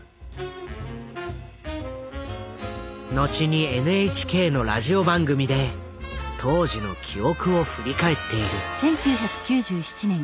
後にＮＨＫのラジオ番組で当時の記憶を振り返っている。